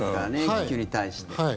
気球に対して。